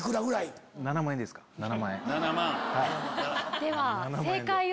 では正解を。